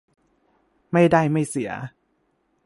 ไม่ได้ไม่เสีย